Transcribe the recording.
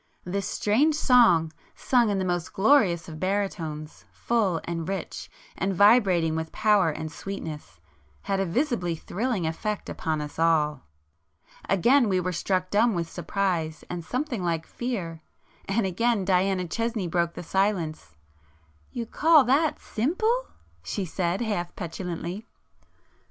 This strange song, sung in the most glorious of baritones, full and rich, and vibrating with power and sweetness, had a visibly thrilling effect upon us all. Again we were struck dumb with surprise and something like fear,—and again Diana Chesney broke the silence. "You call that simple!" she said, half petulantly.